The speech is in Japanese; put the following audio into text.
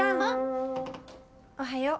おはよう。